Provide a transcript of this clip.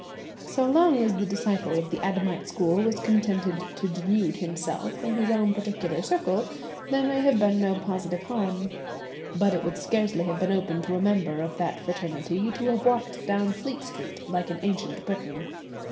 So long as the disciple of the Adamite school was contented to denude himself in his own particular circle there may have been no positive harm, but it would scarcely have been open to a member of that fraternity to have walked down Fleet Street like an ancient Briton.